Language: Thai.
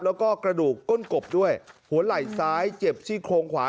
แล้วก็กระดูกก้นกบด้วยหัวไหล่ซ้ายเจ็บซี่โครงขวา